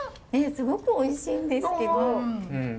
すごくおいしいんですけど。